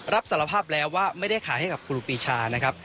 รับสารภาพแล้วว่าไม่ได้ขายให้กับครูปีชานะครับ